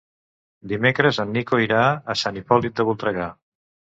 Dimecres en Nico irà a Sant Hipòlit de Voltregà.